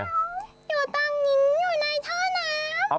อยู่ตอนนี้อยู่ในท่อน้ำ